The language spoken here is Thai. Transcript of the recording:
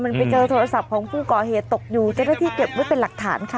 มันไปเจอโทรศัพท์ของผู้ก่อเหตุตกอยู่เจ้าหน้าที่เก็บไว้เป็นหลักฐานค่ะ